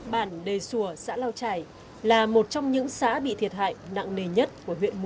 bản đề xùa xã lao trải là một trong những xã bị thiệt hại nặng nề nhiễm